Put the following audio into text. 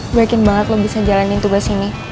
gue yakin banget lo bisa jalanin tugas ini